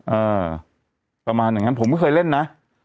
เออประมาณอย่างนั้นผมก็เคยเล่นนะ